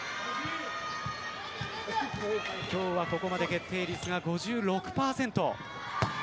今日はここまで決定率は５６％